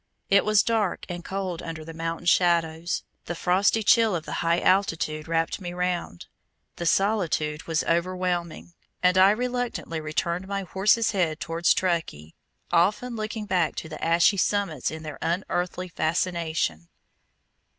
It was dark and cold under the mountain shadows, the frosty chill of the high altitude wrapped me round, the solitude was overwhelming, and I reluctantly turned my horse's head towards Truckee, often looking back to the ashy summits in their unearthly fascination.